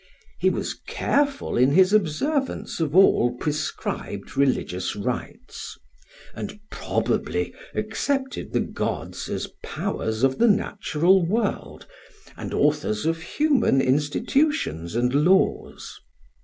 He was careful in his observance of all prescribed religious rites, and probably accepted the gods as powers of the natural world and authors of human institutions and laws.